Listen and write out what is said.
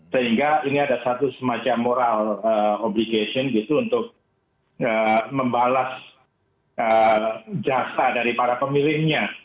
sehingga ini ada satu semacam moral obligation gitu untuk membalas jasa dari para pemilihnya